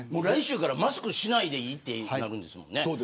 来週からマスクしないでいいってなるんですもんね。